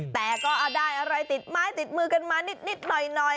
แต่ก็ได้อะไรติดไม้ติดมือกันมานิดหน่อย